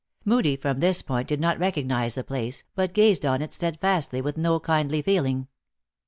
Moodie from this point did not recognize the place, but gazed on it steadfastly, with no kindly feeling.